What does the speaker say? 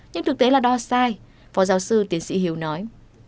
nhưng thực tế là đo sai phó giáo sư tiến sĩ hiếu nói